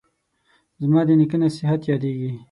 زما د نیکه نصیحت یادیږي